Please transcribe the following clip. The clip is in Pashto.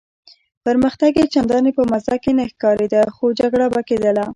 پرمختګ یې چنداني په مزه کې نه ښکارېده، خو جګړه به کېدله.